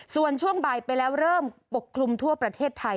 ส่วนช่วงบ่ายไปแล้วเริ่มปกคลุมทั่วประเทศไทย